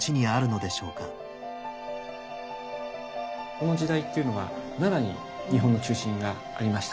この時代っていうのが奈良に日本の中心がありました。